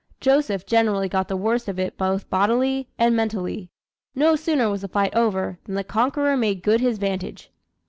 Joseph generally got the worst of it both bodily and mentally. No sooner was the fight over, than the conqueror made good his vantage.